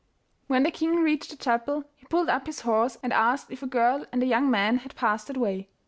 When the king reached the chapel, he pulled up his horse and asked if a girl and a young man had passed that way.